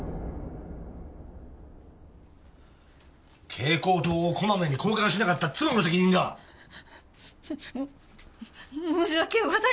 蛍光灯をこまめに交換しなかった妻の責任だ！も申し訳ございません！